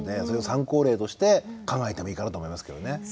それを参考例として考えてもいいかなと思いますけどね。